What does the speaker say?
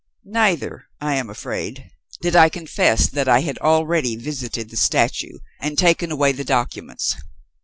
Neither, I am afraid, did I confess that I had already visited the statue and taken away the documents.